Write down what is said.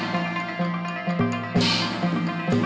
วันนี้ข้ามาขอยืมของสำคัญ